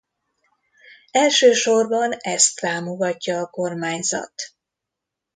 Elsősorban ezt támogatja a kormányzat.